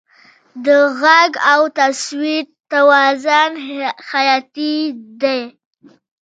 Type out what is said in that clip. د غږ او تصویر توازن حیاتي دی.